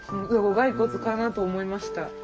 骸骨かなと思いました。